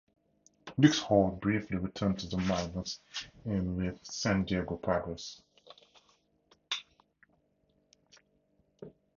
Nuxhall briefly returned to the minors in with the San Diego Padres.